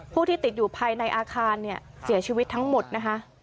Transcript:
ผู้ที่ติดอยู่ภายในอาคารเนี่ยเสียชีวิตทั้งหมดนะคะ